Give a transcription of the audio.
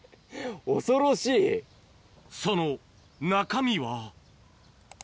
その中身は。